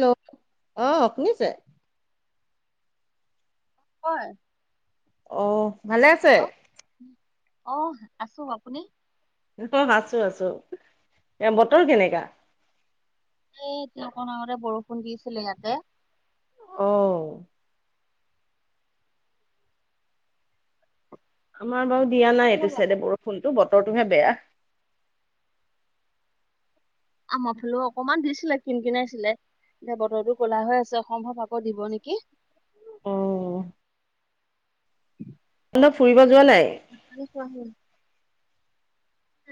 Hello, অ, শুনিছে? হয়। অহ, ভালে আছে? অহ, আছোঁ আপুনি? [unintelligible] আছোঁ- আছোঁ এ বতৰ কেনেকা? এ এতিয়া অকণ আগতে বৰষুণ দিছিলে ইয়াতে। অহ, ওঁ আমাৰ বাৰু দিয়া নাই এইটো কেনেকুৱা চাইডে বাৰু? বৰষুণতো বতৰটোহে বেয়া। আমাৰ ফালেও অকমান দিছিলে কিন - কিনাইছিলে। এতিয়া বতৰটো ক'লা হৈ আছে সম্ভৱ আকৌ দিব নেকি। অ', [inaudible] [unintelligible] ফুৰিব যোৱা নাই? ভাত পানী খোৱাহে নাই।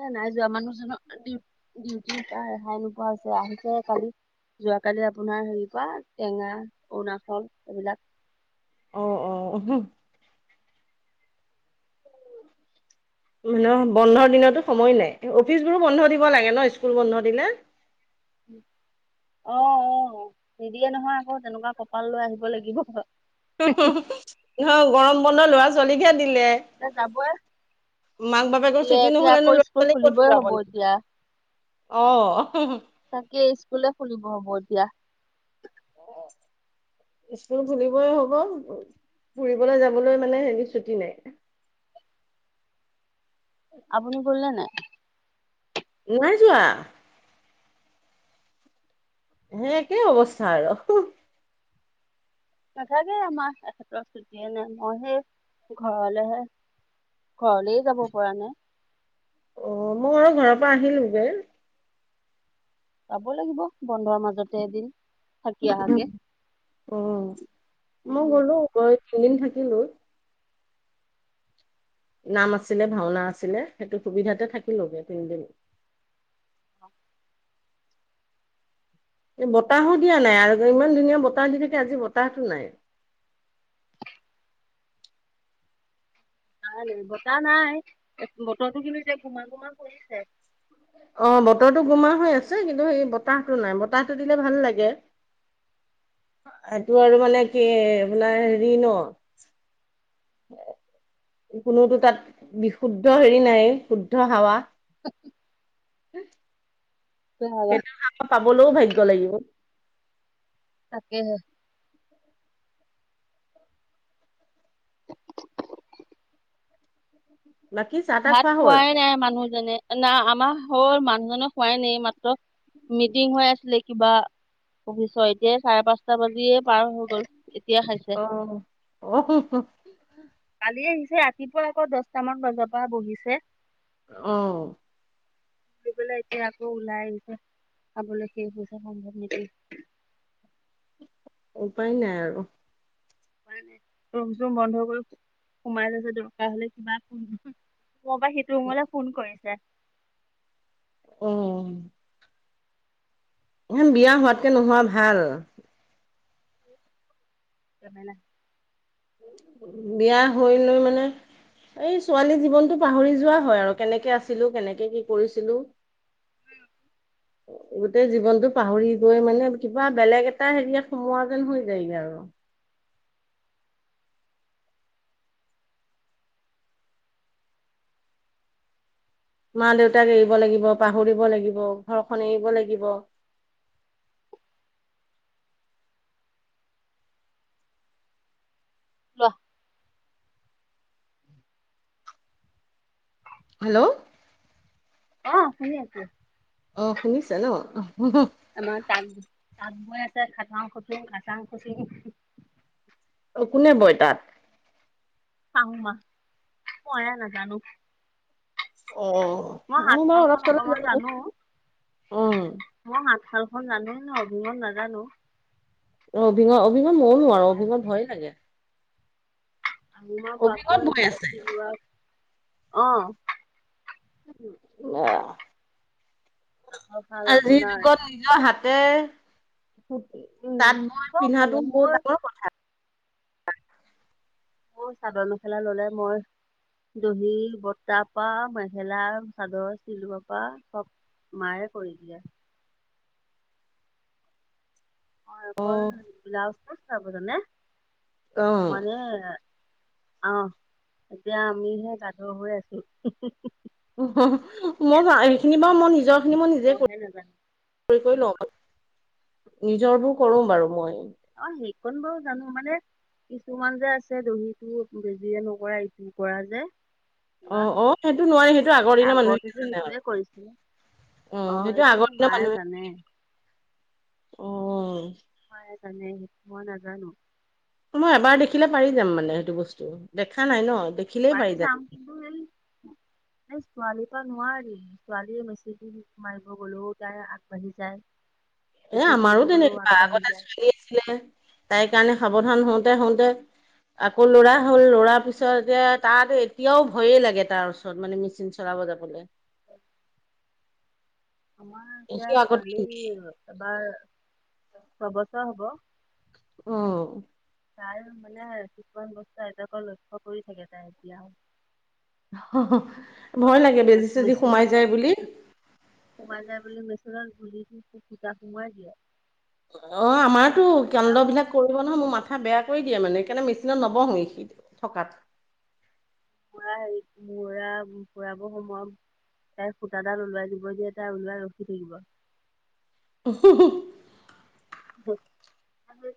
হে নাই যোৱা মানুহজনৰ ডিউ- ডিউটি এতিয়া ৰেহাই নোপোৱা হৈছে আহিছেহে কালি। যোৱাকালি আপোনাৰ হেৰিপা টেঙা, অৰুণাচল এইবিলাক। অ', অ', উহু। তোৰ নহ বন্ধৰ দিনতো সময় নাই অফিচবোৰো বন্ধ দিব লাগে ন' স্কুল বন্ধ দিলে। হম, অ', অ', নিদিয়ে নহয় আকৌ তেনেকুৱা কপাল লৈ আহিব লাগিব। [unintelligible] হ' গৰম বন্ধ ল'ৰা - ছোৱালীকহে দিলে। এতিয়া যাবই মাক -বাপেকৰ ছুটি এতিয়া আকৌ নহলেনো ল'ৰা স্কুল -ছোৱালী ক'ত খুলিবই ফুৰাব হ'ব নিব। এতিয়া অ, [unintelligible] তাকে স্কুলে খুলিব হ'ব এতিয়া। অ, [unintelligible] স্কুল খুলিবই হ'ব ফুৰিবলৈ যাবলৈ মানে হেৰি ছুটি নাই। আপুনি গ'ল নে নাই? নাই যোৱা। হে একেই অৱস্থা আৰু [unintelligible] নাথাকে আমাৰ এখেতৰ ছুটিয়ে নাই মই হে ঘৰলেহে ঘৰলেই যাব পৰা নাই। অ', মই আৰু ঘৰৰ পৰা আহিলোগে। যাব লাগিব বন্ধৰ মাজতে এদিন। থাকি আহাকে [unintelligible] অহ, মই উম গ'লো গৈ তিন দিন থাকিলোঁ। নাম আছিলে, ভাওনা আছিলে, সেইটো সুবিধাতে থাকিলোগে তিনদিন। এ বতাহো দিয়া নাই আৰ যে ইমান ধুনীয়া বতাহ দি থাকে আজি বতাহতো নাই। নাই নে বতাহ নাই বতৰটো কিন্তু এতিয়া গোমা- গোমা কৰিছে। অ বতৰটো গোমা হৈ আছে কিন্তু সেই বতাহটো নাই বতাহটো দিলে ভাল লাগে এইটো আৰু মানে কি আপোনাৰ হেৰি ন কোনোতো তাত বিশুদ্ধ হেৰি নাই শুদ্ধ হাৱা [unintelligible] সেটো কামৌ পাবলও ভাগ্য লাগিব। তাকেহে। বাকী চাহ তাহ ভাত খোৱা হ'ল খোৱাই নাই মানুহজনে। না আমাৰ হ'ল মানুহজক খোৱাই নাই এই মাত্ৰ মিটিং হৈ আছিলে কিবা অফিছ এতিয়া চাৰে পাঁচটা বাজিয়ে পাৰ হৈ গ'ল এতিয়া খাই অহ, [unintelligible] কালি আহিছে ৰাতিপুৱা আকৌ দচটামান বজাৰ পা বহিছে। অ কি বোলে এতিয়া আকৌ ওলাই আহিছে খাবলৈ শেষ হৈছে সম্ভৱ মিটিং। উপায় নাই আৰু উপায় নাই, ৰোম চোম বন্ধ কৰি সোমাই লৈছে দৰকাৰ হলে কিবা ৰুমপা সিটো ৰুমলে ফোন কৰিছে। অ ইমান বিয়া হোৱাতকে নোহোৱা ভাল ঝেমেলা বিয়া হৈ লৈ মানে এই ছোৱালী জীৱনটো পাহৰি যোৱা হয় আৰু কেনেকে আছিলো কেনেকে কি কৰিছিলো। [unintelligible] গোটেই জীৱনটো পাহৰি গৈ মানে কিবা বেলেগ এটা হেৰীয়াত সোমোৱা যেন হৈ যায়গে আৰু মা দেউতাক এৰিব লাগিব পাহৰিব লাগিব ঘৰখন এৰিব লাগিব লোৱাহ হেল্ল' অ শুনি আছো। অ শুনিছে ন। আমাৰ তাঙ, তাঁত বৈ আছে খাটাং খুটুং খাটাং খুটুং অ কোনে বয় তাত? শাহু মা, ময়ে নাজানো। অ মই মোৰ বাৰু হাতশালখন অলপ চলপ অকমান জানো, উম মই সাতশাল খন জানো ন অভিহন নাজানো অ অভিঙ, অভিঙ ময়ও নোৱাৰো অভিঙখন ভয়ে লাগে। আমাৰ অভিঙত পাপৰ বৈ আছে। ৰোৱা অ [unintelligible] তাঁতৰ শাল আজিৰ আপোনাৰ যুগত নিজৰ হাতে কু্তি উম তাত বৈ চব জানো পিন্ধাটো মোৰ বহুত ডাঙৰ কথা। মোৰ চাদৰ মেখেলা ললে মই দহি বতা পা মেখেলা চাদৰ চিলোৱা পা চব মায়ে কৰি দিয়ে। মই অকল ব্লাউজটো চিলাব জানে। অ', মানে অহ এতিয়া আমিহে গাধ হৈ আছো। মই সিহঁতে চব সেইখিনি জানে, বাৰু মই নিজৰ খিনি মই নিজে মইহে কৰি নাজানো কৰি কৰি লও মই, ‌নিজৰ বোৰ কৰো বাৰু মই অ সেইকণ বাৰু জানো মানে কিছুমান যে আছে দহিটো বেজিয়ে নকৰা ইটো কৰা যে বা অ', অ', সেইটো নোৱাৰি সেইটো আগৰ দিনৰ মানুহে আগতেতো জানে আৰু সেইটোৱে কৰিছিলে। অ সেইটো এইটো আগৰ সে দিনৰ মায়ে মানুহে জানে। অ। নাজানে সি, মই নাজানো। মই এবাৰ দেখিলে পাৰি যাম মানে সেইটো বস্তু দেখা নাই ন। দেখ- পাৰি যাম কিন্তু সেই সেই ছোৱালীৰ পৰা নোৱাৰিম ছোৱালীয়ে মেচিকি দি মাৰিব গলেও তাই আগবাঢ়ি যায়। এ ইটো কৰিব আমাৰো গ'লেও তেনেকুৱা আগবাঢ়ি আগতে যায় ছোৱালী আছিলে। তাই কাৰণে সাৱধান হওঁতে হওঁতে আকৌ লৰা হ'ল লৰাৰ পিছত এতিয়া তাত এতিয়াও ভয়ে লাগে তাৰ ওচৰত মানে মেচিন চলাব যাবলে আমাৰ এতিয়া সি আগতে ছোৱালী এবাৰ ছবছৰ হ'ব। অ। তাই মানে কিছুমান বস্তু আইতাকৰ লক্ষ্য কৰি থাকে তাই এতিয়াও। ভয় লাগে বেজি ধৰক চেজী সোমাই যায় বুলি। মেচিনত সোমাই যায় বুলি মেচনত গুলিুতোটো সূতা সোমোৱাই দিয়ে। অ আমাৰতো মৰা কেন্দ্ৰ বিলাক বস্তু কৰিব নহয় মোৰ মাথা বেয়া কৰি দিয়ে মানে সেকানে মেচিনত নবহো সি থকাত পুৰা হেৰি মূৰা ফুৰাব সমম তাইৰ সূতাডাল ওলৱাই যিব যে তাই ওলাই ৰখি থাকিব। এ হি হি [unintelligible]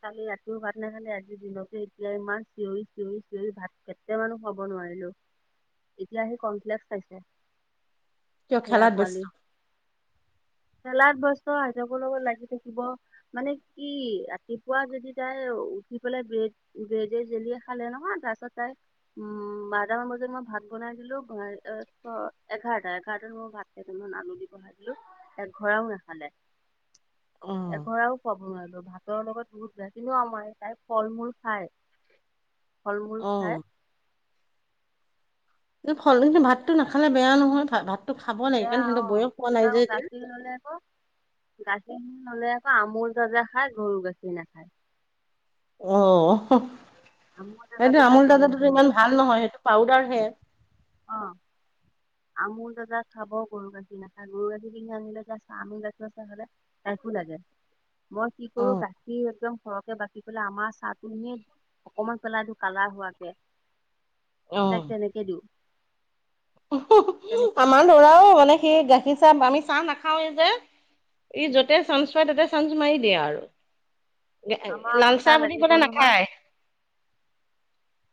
কালি ৰাতিও ভাত নাখালে আজিৰ দিনতে এতিয়া ইমান চিঞৰি চিঞৰি চিঞৰি ভাত কেতটেয়ামানো মানুহ হব নোৱাৰিলো এতিয়া আহি কমপ্লেক্স খাইছে। কিয় সেয়া খেলাত ব্যস্ত পোৱালি খেলাত বস্ত আইতাকৰ লগত লাগি থাকিব। মানে কি ৰাতিপুৱা যদি তাই উঠি পেলাই বে- গেজে জেলিয় খালে নহয় তাছত তাই উম বাৰটামান বজাত মই ভাত বনাই দিলো। ই এক ক এঘাৰটা এঘাৰটাত মোৰ ভাত কেইটমান আলু দি বহাই দিলো এঘৰাও নাখালে। অ' এঘৰাও খাব নোৱাৰিলো ভাতৰ লগত বহুত বেয়া কিন্তু আমাৰ তাই ফল মূল খায়। ফল মূল খাই। অ'। এই ফল কিন্তু ভাতটো নাখালে বেয়া নহয় ভাত এয়া অ কিবা মোক কাটি ললে আক। গাখীৰখিনি হ'লে ক আমুল তাজা খায় গৰু গাখীৰ নাখায়। অ আমুল এইটো তাজাটো খাই আমুল গৰু তাজাটোতো গাখীৰ ইমান নাখায়। ভাল নহয় সেইটো পাউদাৰহে। অ', [inaudible] আমুল তাজা খাব গৰু গাখীৰ নাখায় গৰু গাখীৰ পিংধাং আনিলে যা চাহ আমুল গাখীৰ চাই খালে। একো লাগে মই কি কৰো অ' গাখীৰ একদম সৰহকে বাকি পেলাই আমাৰ চাহ টো এনেই অকমান পেলাই দিওঁ কালাৰ হোৱাকে। অ'। তাক তেনেকে দিওঁ। তেনেকে আমাৰ খাই। লৰাও মানে সেই গাখীৰ চাহ আমি চাহ নাখাওৱে যে। ই য'তে চা্ঞ্চ পায় ততে চান্ঞ্চ মাৰি দিয়ে আৰু। আমাৰ আকৌ লালচাহ চাহ বুলি লাগিব ক'লে নহয়, নাখায়।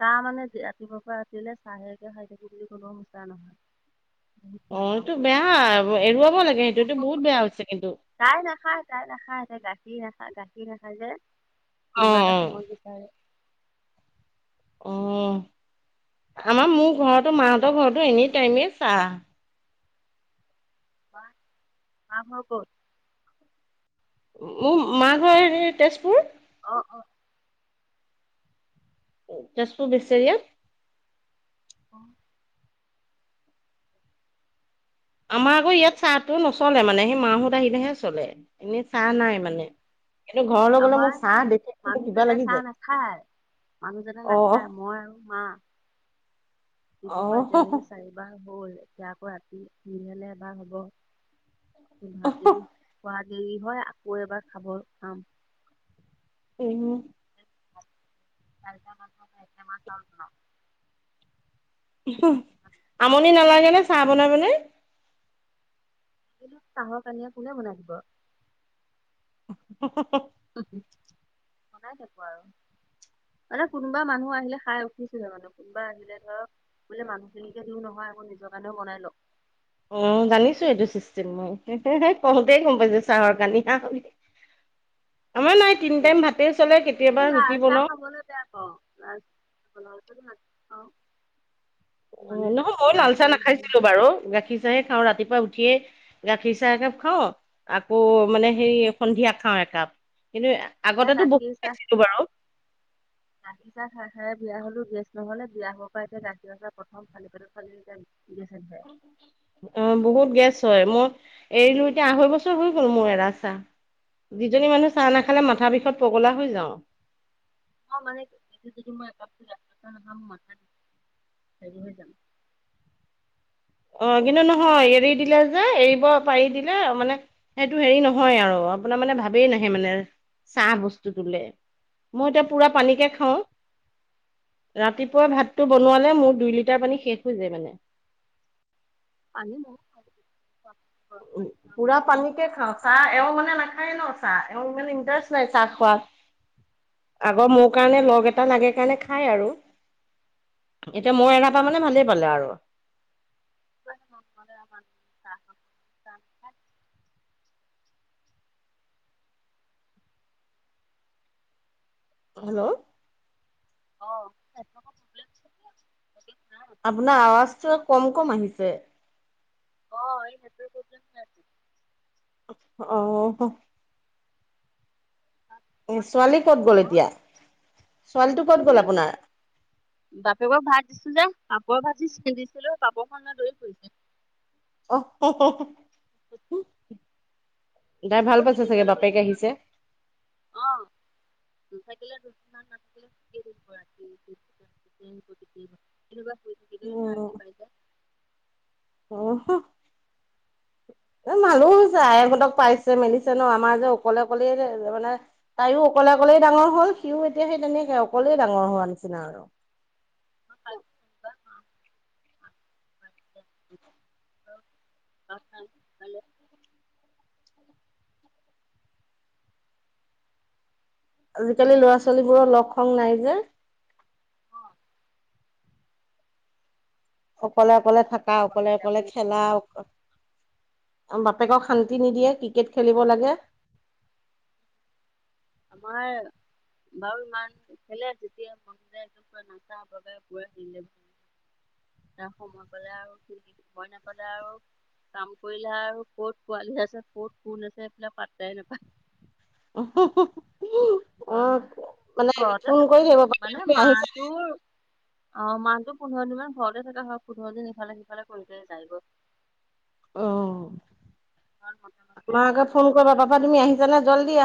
চাহ মানে ৰাতিপুৱাৰ পৰা ৰাতিলে চাহেকে খাই থাকি বুলি কলো মিচা নহয়। বহুত অ চাহ খাওঁ, এইটো বেয়া এৰুৱাব মই লাগে সেইটোটো বহুত বেয়া হৈছে কিন্তু। তাই নাখায় তাই নাখায় এতে গাখীৰ নাখায় গাখীৰ নাখায় যে অ অ কোনোবা এটা সময় গ- তাই অ আমাৰ মোৰ ঘৰতো মাহতৰ ঘৰতো এনি টাইমে চাহ। মা ঘৰ ক'ত? মোৰ মা ঘৰ হে তেজপুৰ অ অ। তেজপুৰ বেচেৰীয়া। অ আমাৰ আকৌ ইয়াত চাহটো নচলে মানে সেই মাহত আহিলেহে চলে, এনেই চাহ নাই মানে। আম- এনেও ঘৰলৈ গলে মো আমাৰ চাহ দেখি দেখি মো কিবা মানুহজনে লাগি চাহ যায়। নাখায় মানুহজনে অ নাখায় মই আৰু মা। ৰাতিপুৱা পৰা অ এতিয়ালৈকে চাৰিবাৰ হল এতিয়া আকৌ ৰাতি নিলেলে এবাৰ হ'ব। ভাত যদি খোৱা দেৰি হয় আকৌ এবাৰ খাব খাম। উহো [unintelligible] আমনি নালাগে নে চাহ বনাই বনাই। এইটো চাহৰ কানিয়া কোনে বনাই দিব। [unintelligible] বনাই থাকিব আৰু মানে কোনোবা মানুহ আহিলে খাই উঠিছিলহে মানে কোনোবা আহিলে ধৰক বোলে মানুহখিনিকে দিওঁ নহয় আকৌ নিজৰ কাৰণেও বনাই লওঁ। উম জানিছোঁ এইটো চিষ্টেম মই কওঁতেই গম পাইছো চাহৰ কানিয়া বুলি। আমাৰ নাই তিনি টাইম ভাতে চলে কেতিয়াবা ৰুটি বনাওঁ কলে বেয়া ক। [unintelligible] অ নহয় মইয়ো লাল চাহ গাটো নাখাইছিলো এয়া বাৰু, গাখীৰ চাহে খাওঁ ৰাতিপুৱা উঠিয়ে। গাখীৰ চাহ একাপ খাওঁ, আকৌ মানে হেৰি সন্ধিয়া খাওঁ একাপ কিন্তু- আগতেটো বহুত গাখীৰ চাহ খাইছিলো বাৰু গাখীৰ চাহ খাই খাইয়ে বিয়া হ'লো গেছ নহলে বিয়া হ'ব পৰা এতিয়া গাখীৰ চাহ প্ৰথম খালি পেতট খালে এতিয়া - গেছ হৈ যায়। অ বহুত গেছ হয় মই এৰিলো এতিয়া আঢ়ৈ বছৰ হৈ গল মোৰ এৰা চাহ। যিজনী মানুহ চাহ নাখালে মাথা বিষত পগলা হৈ যাওঁ। অ মানে দিনটোত যদি মই একাপ লাল চাহ নাখাম মথা বিষ হেৰি হৈ যাম। অ কিন্তু কিবা নহয় হৈ এৰি যাম। দিলে যে এৰিব পাৰি দিলে মানে সেইটো হেৰি নহয় আৰু আপোনাৰ মানে ভাবেই নাহে মানে। চাহ বস্তু তোলে, মই এতিয়া পুৰা পানীকে খাওঁ। ৰাতিপুৱা ভাতটো বনোৱালে মোৰ দুই লিটাৰ পানী শেষ হৈ যায় মানে। পানী ময়ো খাওঁ। গৰম উম পানী খাওঁ পুৰা ওজন বাঢ়িছে পানীকে খাওঁ। চাহ এওঁ মানে নাখায় ন চাহ এওঁ মানে ইণ্টাৰেষ্ট নাই চাহ খোৱাত। আগৰ মোৰ কাৰণে লগ এটা লাগে কাৰণে খাই আৰু এতিয়া ম‌ও নহয়। এৰা পৰা আমাৰ বাৰু মানে ভালেই পালে আৰু। [unintelligible] নাখায়। হেল্ল' অ হেল্লো আপোনাৰ আৱাজটো কম কম আহিছে অ নেট প্ৰব্লেম হৈ আছে। অ ছোৱালী ক'ত গ'ল এতিয়া ছোৱালীটো ক'ত গ'ল আপোনাৰ? বাপেকক ভাত দিছিলো যে পাপৰ ভাজি দিছিলো পাপৰ খন লৈ দৰি ফুৰিছে। অ তাই মই ভাল কৈছো পাইছে চাগে দেউতাৰ বাপেকে লগতে যাম আহিছে। অ' নাথাকিলে দুমান নাথাকিলে কান্দিয়ে দিব ৰাতি [unintelligible] কেতিয়াবা শুই থাকিলে উম ৰাতি পায় যায় [unintelligible] অ এ মানুহ হৈছে তেতিয়া আইহঁতক পাইছে মেলিছে ন আমাৰ যে অকলে অকলে মানে। তাইয়ো অকলে অকলেই ডাঙৰ হ'ল। সিও এতিয়া সেই তেনেকে অকলেই ডাঙৰ হোৱা নিচিনা আৰু। অ [unintelligible] [unintelligible] আজিকালি লৰা-ছোৱালীবোৰৰ লগ সংগ নাই যে। মা- অকলে অকলে থাকা অকলে অকলে খেলা অ বাপেকক শান্তি নিদিয়ে ক্ৰিকেট খেলিব লাগে। আমাৰ বাৰু ইমান খেলে যেতিয়া মন যায় নাচা-বাগা [unintelligible] এতিয়া সময় পালে আৰু, সি সময় নাপালে আৰু কাম কৰিলে আৰু ক'ত পোৱালি আছে, ক'ত কোন আছে, সেইবিলাক পাট্টাই নাপায়। [unintelligible] মানে হয় ফোন ঘৰতে কৰি থাকে, থাকিব পাপা মানে তুমি আহিছা মাহটোৰ অ', মাহটো পোন্ধৰ দিন মান ঘৰতে থকা হয় পোন্ধৰ দিন ইফালে-সিফালে কৰিলে যায় গৈ। অ', কাৰণ মতা মাককে মানুহ ফোন এটা কৰিবা পাপা তুমি আহিছানে, জল্দি আ